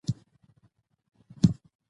که مرغه وو که ماهی د ده په کار وو